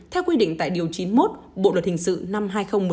theo quy định tại điều chín mươi một bộ luật hình sự năm hai nghìn một mươi năm